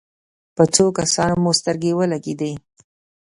په څو کسانو مو سترګې ولګېدې.